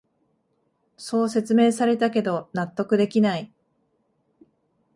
そう説明されたけど納得できない